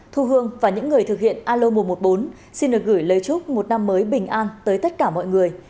thu hương và những người thực hiện alo một trăm một mươi bốn xin được gửi lời chúc một năm mới bình an tới tất cả mọi người